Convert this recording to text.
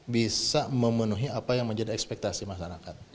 bisa memenuhi apa yang menjadi ekspektasi masyarakat